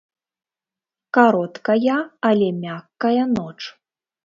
Кароткая, але мяккая ноч.